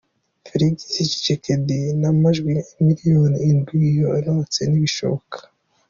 Felix Tshisekedi nta majwi imiliyoni indwi yaronse, ntibishoboka.